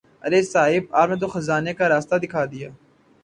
ارے صاحب آپ نے تو خزانے کا راستہ دکھا دیا۔